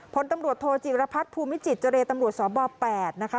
ผลตำรวจโทจิรพัฒน์ภูมิจิตเจรตำรวจสบ๘นะคะ